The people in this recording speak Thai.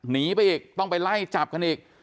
หนีไปอีกต้องไปไล่จับกันอีก